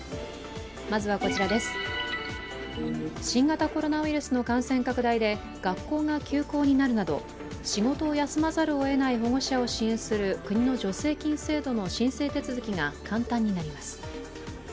新型コロナウイルスの感染拡大で学校が休校になるなど仕事を休まざるを得ない保護者を支援する国の助成金制度の申請が簡単になります。